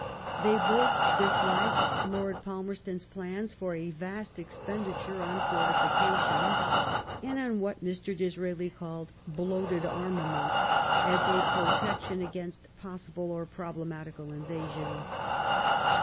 They both disliked Lord Pal merston s plans for a vast expenditure on fortifi cations and on what Mr. Disraeli called "bloated armaments " as a protection against possible or problematical invasion.